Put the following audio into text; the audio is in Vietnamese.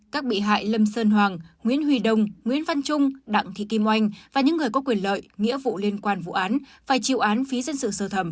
các bị hại lâm sơn hoàng nguyễn huy đông nguyễn văn trung đặng thị kim oanh và những người có quyền lợi nghĩa vụ liên quan vụ án phải chịu án phí dân sự sơ thẩm